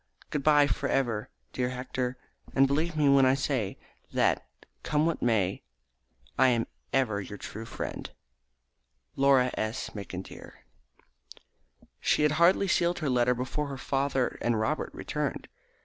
Good bye, for ever, dear Hector, and believe me when I say that, come what may, I am ever your true friend, "Laura S. McIntyre." She had hardly sealed her letter before her father and Robert returned.